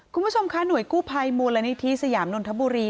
คุณผู้ชมค่ะหน่วยกู้ภัยมูลนิธิสยามนนทบุรี